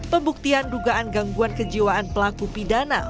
pembuktian dugaan gangguan kejiwaan pelaku pidana